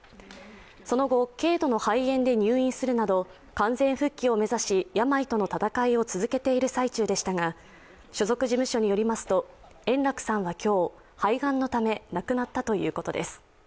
その後、軽度の肺炎で入院するなど完全復帰を目指し病との闘いを続けている最中でしたが所属事務所によりますと円楽さんは今日肺がんのため亡くなったということです。